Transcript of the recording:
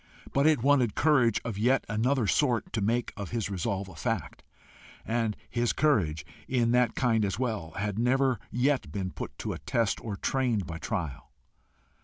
But it wanted courage of yet another sort to make of his resolve a fact, and his courage, in that kind as well, had never yet been put to the test or trained by trial.